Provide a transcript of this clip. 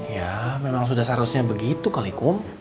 ya memang sudah seharusnya begitu kali kum